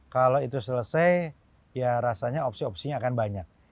kalau itu selesai ya rasanya opsi opsinya akan banyak